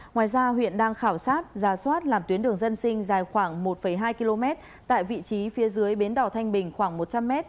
ngoài ra huyện đang khảo sát ra soát làm tuyến đường dân sinh dài khoảng một hai km tại vị trí phía dưới bến đỏ thanh bình khoảng một trăm linh m